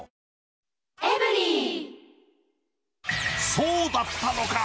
そうだったのか！